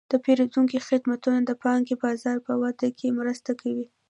د پیرودونکو خدمتونه د بانکي بازار په وده کې مرسته کوي.